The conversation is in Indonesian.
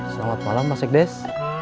selamat malam mas ekdes